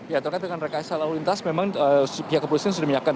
ya terkait dengan rekayasa lalu lintas memang pihak kepolisian sudah menyiapkan